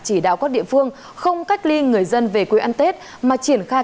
chỉ đạo các địa phương không cách ly người dân về quê ăn tết mà triển khai